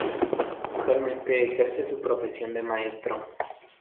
Actualmente ejerce su profesión de maestro.